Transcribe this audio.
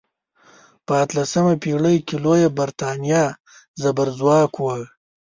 په اتلسمه پیړۍ کې لویه بریتانیا زبرځواک وه.